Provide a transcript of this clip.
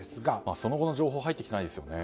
その後の情報は入ってきてないですよね。